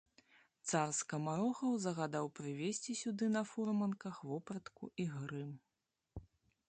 Цар скамарохаў загадаў прывесці сюды на фурманках вопратку і грым.